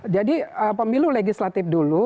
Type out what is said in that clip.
jadi pemilu legislatif dulu